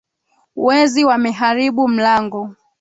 Wezi wameharibu mlango.